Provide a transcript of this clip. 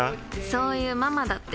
そういうママだって。